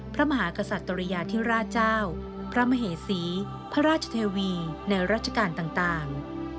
พระมหากษัตริยาธิราชเจ้าพระมเหสีพระราชเทวีในรัชกาลต่าง